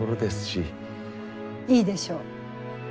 いいでしょう。